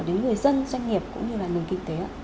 đến người dân doanh nghiệp cũng như là nền kinh tế ạ